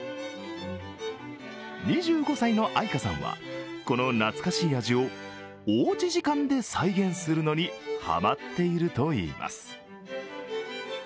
２５歳の、あいかさんはこの懐かしい味をおうち時間で再現するのにハマっているといいます。